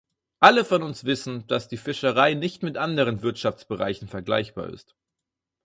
Alle von uns wissen, dass die Fischerei nicht mit anderen Wirtschaftsbereichen vergleichbar ist.